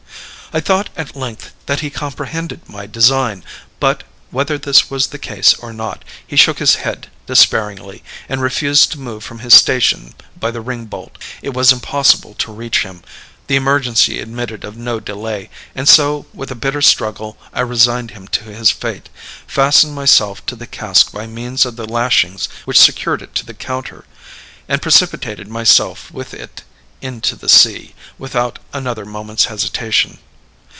"I thought at length that he comprehended my design, but, whether this was the case or not, he shook his head despairingly, and refused to move from his station by the ring bolt. It was impossible to reach him; the emergency admitted of no delay; and so with a bitter struggle I resigned him to his fate, fastened myself to the cask by means of the lashings which secured it to the counter, and precipitated myself with it into the sea, without another moment's hesitation.